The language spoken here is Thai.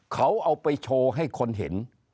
เขาเอาไปโชว์ให้คนเห็น